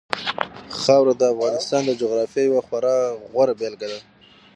خاوره د افغانستان د جغرافیې یوه خورا غوره بېلګه ده.